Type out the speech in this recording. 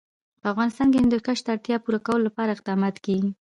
په افغانستان کې د هندوکش د اړتیاوو پوره کولو لپاره اقدامات کېږي.